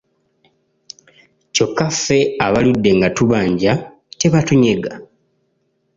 Kyokka ffe abaludde nga tubanja tebatunyega.